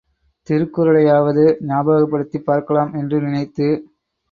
திருக்குறளையாவது ஞாபகப்படுத்திப் பார்க்கலாம் என்று நினைத்து.